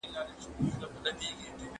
څېړنه د ساینس او هنر ترکیب دئ.